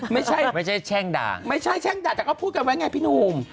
ไม่ใช่ไม่ใช่แช่งด่าแต่ก็พูดกันไว้ไงพี่หนุ่ม